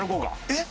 えっ！？